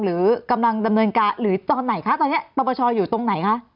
หรือกำลังดำเนินการหรือตอนไหนคะตอนนี้ปปชอยู่ตรงไหนคะ